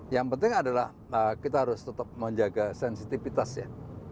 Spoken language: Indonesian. yang penting adalah kita harus tetap menjaga sensitivitasnya